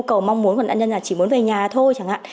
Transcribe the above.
không muốn của nạn nhân là chỉ muốn về nhà thôi chẳng hạn